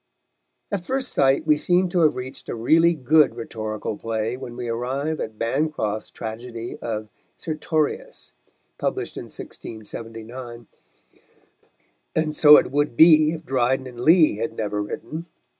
At first sight we seem to have reached a really good rhetorical play when we arrive at Bancroft's tragedy of Sertorius, published in 1679, and so it would be if Dryden and Lee had never written.